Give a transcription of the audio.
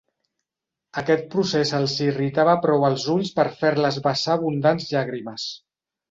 Aquest procés els irritava prou els ulls per fer-les vessar abundants llàgrimes.